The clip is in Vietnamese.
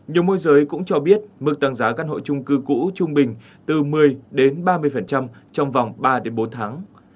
nhiều môi giới cũng cho biết mức tăng giá căn hộ trung cư cũ trung bình từ một mươi đến ba mươi trong vòng ba bốn tháng